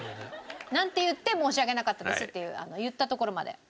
なんて言って申し訳なかったですっていう言ったところまで。